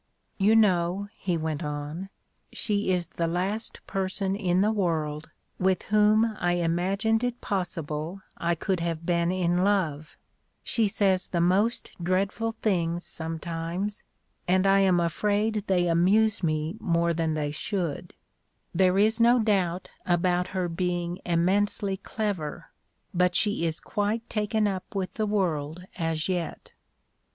"You know," he went on, "she is the last person in the world with whom I imagined it possible I could have been in love: she says the most dreadful things sometimes and I am afraid they amuse me more than they should; there is no doubt about her being immensely clever, but she is quite taken up with the world as yet."